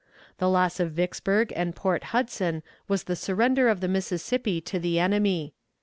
The loss of Vicksburg and Port Hudson was the surrender of the Mississippi to the enemy.